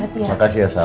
terima kasih ya sal